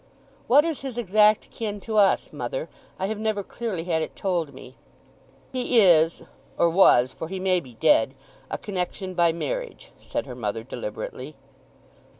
"What is his exact kin to us, mother? I have never clearly had it told me." "He is, or was—for he may be dead—a connection by marriage," said her mother deliberately.